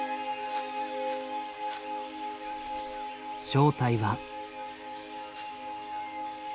正体は。